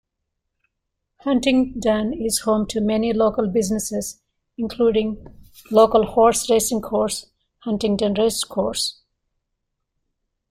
Huntingdon is home to many local businesses, including a local horse-racing course, Huntingdon Racecourse.